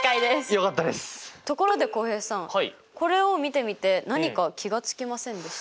ところで浩平さんこれを見てみて何か気が付きませんでした？